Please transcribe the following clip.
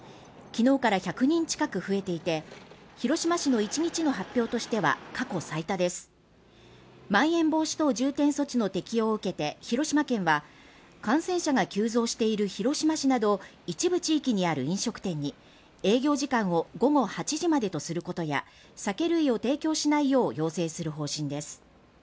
昨日から１００人近く増えていて広島市の１日の発表としては過去最多ですまん延防止等重点措置の適用を受けて広島県は感染者が急増している広島市など一部地域にある飲食店に営業時間を午後８時までとすることや酒類を提供しないよう要請する方針です